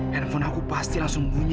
handphone aku pasti langsung bunyi